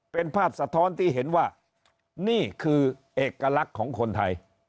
เป็นภาพสะท้อนที่เห็นว่านี่คือเอกลักษณ์ของคนไทย